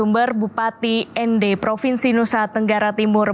sumber bupati nd provinsi nusa tenggara timur